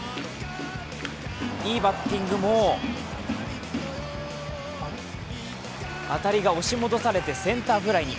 いいバッティングも当たりが押し戻されてセンターフライに。